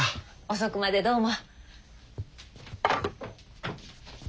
遅くまでどうも。